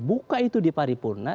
buka itu di paripurna